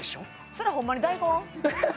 それホンマに大根？